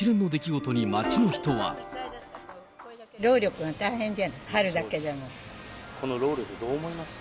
労力が大変じゃない、この労力、どう思います？